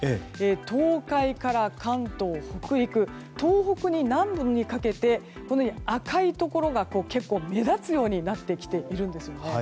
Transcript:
東海から関東、北陸東北の南部にかけて赤いところが結構、目立つようになっているんです。